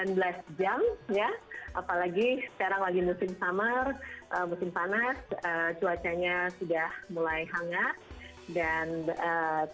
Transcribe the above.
apalagi sekarang lagi musim summer musim panas cuacanya sudah mulai hangat